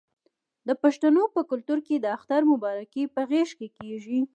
د پښتنو په کلتور کې د اختر مبارکي په غیږ کیږي.